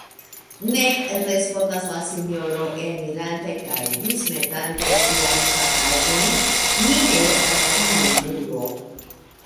Ne, respondas la sinjoro, enirante kaj dismetante siajn pakaĵojn, mi ne estas timemulo!